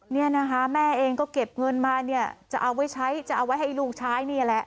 เนี่ยนะคะแม่เองก็เก็บเงินมาเนี่ยจะเอาไว้ใช้จะเอาไว้ให้ลูกใช้นี่แหละ